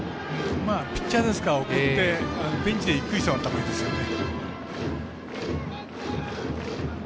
ピッチャーですから送ってベンチでゆっくりしたほうがいいですよね。